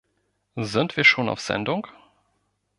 Sind wir schon auf Sendung?